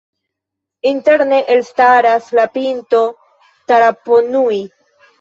Interne elstaras la pinto Taraponui.